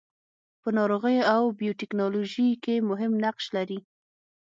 په ناروغیو او بیوټیکنالوژي کې مهم نقش لري.